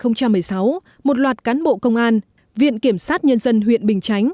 năm hai nghìn một mươi sáu một loạt cán bộ công an viện kiểm sát nhân dân huyện bình chánh